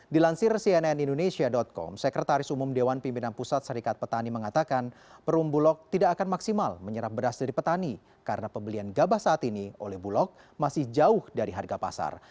dilansir cnn indonesia com sekretaris umum dewan pimpinan pusat serikat petani mengatakan perumbulok tidak akan maksimal menyerap beras dari petani karena pembelian gabah saat ini oleh bulog masih jauh dari harga pasar